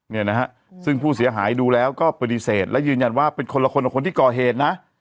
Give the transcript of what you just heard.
เนี่ยนะฮะซึ่งผู้เสียหายดูแล้วก็ปฏิเสธและยืนยันว่าเป็นคนละคนกับคนที่ก่อเหตุนะ